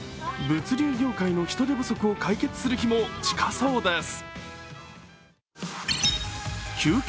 物流業界の人手不足を解決する日も近そうです。